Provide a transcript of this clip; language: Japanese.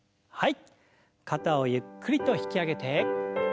はい。